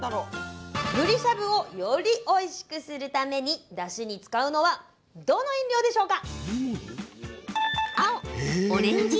ぶりしゃぶをよりおいしくするためにだしに使うのはどの飲料でしょうか？